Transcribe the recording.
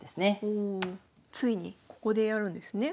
おおついにここでやるんですね。